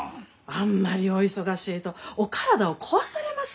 あんまりお忙しいとお体を壊されます！